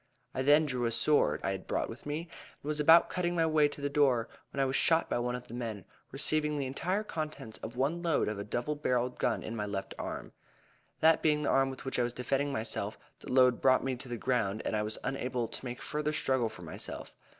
I then drew a sword, I had brought with me, and was about cutting my way to the door, when I was shot by one of the men, receiving the entire contents of one load of a double barreled gun in my left arm, that being the arm with which I was defending myself. The load brought me to the ground, and I was unable to make further struggle for myself.